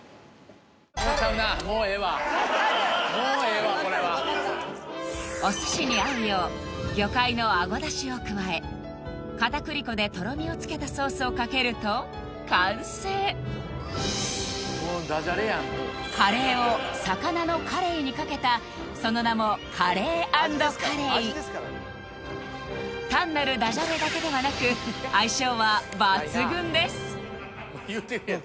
もうちゃうなもうええわもうええわこれはお寿司に合うよう魚介のあごだしを加え片栗粉でとろみをつけたソースをかけると完成カレーを魚のカレイにかけたその名も単なるダジャレだけではなく相性は抜群です